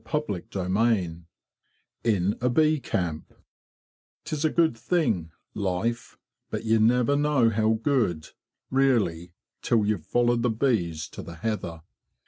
CHAPTER VIII IN A BEE CAMP a "Ts a good thing—life; but ye never know how good, really, till you've followed the bees to the heather."